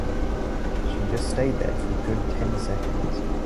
She just stayed there for a good ten seconds.